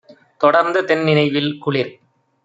தொடர்ந்த தென்நினைவில்! - குளிர்